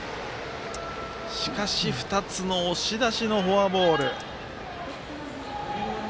しかし、２つの押し出しのフォアボール。